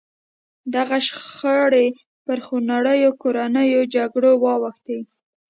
دغه شخړې پر خونړیو کورنیو جګړو واوښتې.